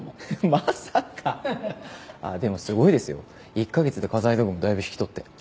１カ月で家財道具もだいぶ引き取って。